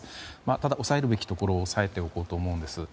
ただ、押さえるべきところを押さえておこうと思うんです。